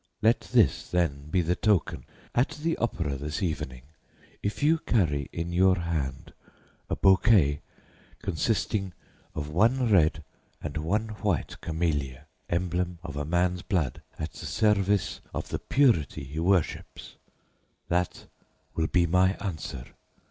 Let this, then, be the token. At the opera this evening, if you carry in your hand a bouquet consisting of one red and one white camellia emblem of a man's blood at the service of the purity he worships that will be my answer.